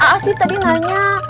a'asih tadi nanya